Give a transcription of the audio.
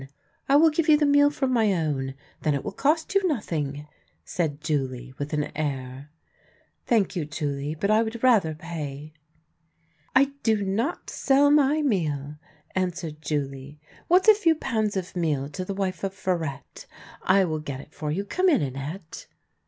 I will give you the meal from my own. Then it will cost you nothing," said Julie, with an air. " Thank you, Julie, but I would rather pay." " I do not sell my meal," answered Julie. " What's a few pounds of meal to the wife of Farette ? I will get it for you. Come in, Annette."